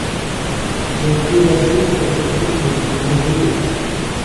D'autres innovations font la qualité des instruments G&L.